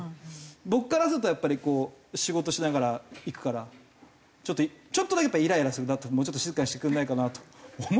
僕からするとやっぱりこう仕事しながら行くからちょっとちょっとだけイライラするなあともうちょっと静かにしてくれないかなと思ったらね